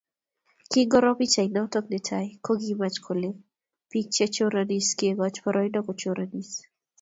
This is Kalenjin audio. Kingoro pichainato netai kokimach kole bik che choranisie kekoch poroindo kochoranis